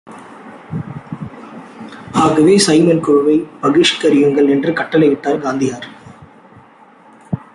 ஆகவே சைமன் குழுவை பகிஷ்கரியுங்கள் என்று கட்டளையிட்டார் காந்தியார்.